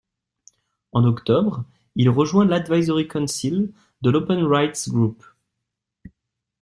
En octobre, il rejoint l'Advisory Council de l'Open Rights Group.